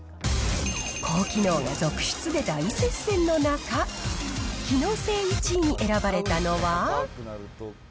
高機能が続出で大接戦の中、機能性１位に選ばれたのは。